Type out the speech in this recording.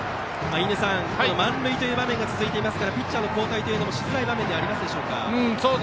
満塁という場面が続いていますからピッチャーの交代もしづらい場面でしょうか。